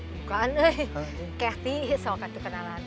bukan cathy soal kata kenalan